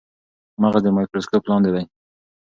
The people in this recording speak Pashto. مغز د مایکروسکوپ لاندې دی.